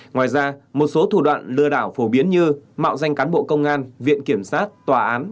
ngoài ra một số thủ đoạn lừa đảo phổ biến như mạo danh cán bộ công an viện kiểm sát tòa án